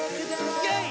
イェイ！